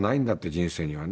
人生にはね。